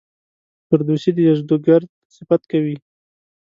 فردوسي د یزدګُرد صفت کوي.